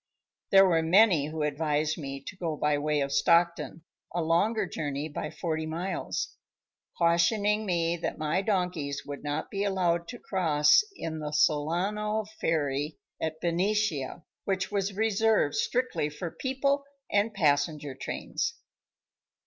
There were many who advised me to go by way of Stockton, a longer journey by forty miles, cautioning me that my donkeys would not be allowed to cross in the "Solano" ferry at Benicia, which was reserved strictly for people and passenger trains.